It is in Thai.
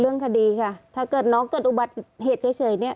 เรื่องคดีค่ะถ้าเกิดน้องเกิดอุบัติเหตุเฉยเนี่ย